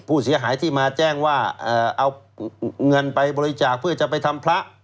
ผู้เสียหายที่มาแจ้งว่าเอาเงินไปบริจาคเพื่อจะไปทำพระ